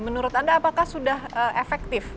menurut anda apakah sudah efektif